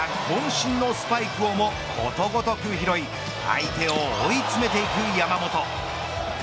身のスパイクをもことごとく拾い相手を追い詰めていく山本。